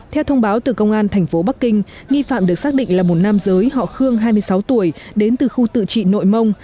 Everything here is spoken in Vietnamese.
theo thông báo từ công an thành phố bắc kinh nghi phạm được xác định là một nam giới họ khương hai mươi sáu tuổi đến từ khu tự trị nội mông